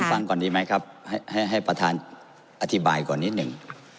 ฟังก่อนดีไหมครับให้ประธานอธิบายก่อนนิดหนึ่ง